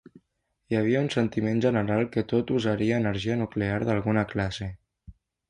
Hi havia un sentiment general que tot usaria energia nuclear d'alguna classe.